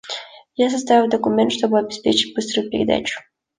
Я составил документ, чтобы обеспечить быструю передачу.